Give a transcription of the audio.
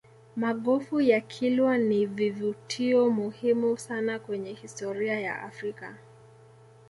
magofu ya kilwa ni vivutio muhimu sana kwenye historia ya africa